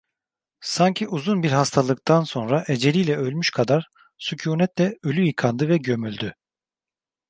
Sanki uzun bir hastalıktan sonra eceliyle ölmüş kadar sükunetle ölü yıkandı ve gömüldü.